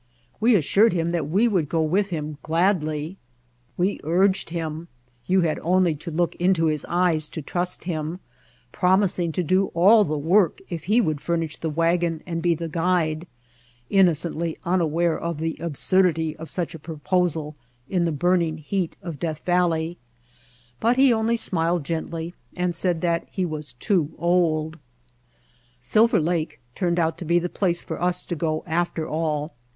We assured him that we would go with him gladly. We urged him — you had only to How We Found Mojave look into his eyes to trust him — promising to do all the work if he would furnish the wagon and be the guide, innocently unaware of the absurdity of such a proposal in the burning heat of Death Valley; but he only smiled gently, and said that he was too old. Silver Lake turned out to be the place for us to go after all.